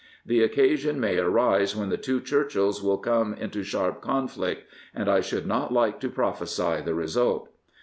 The occasion may arise when the two Churchills will come into sharp conflict, and I should not like to prophesy the result."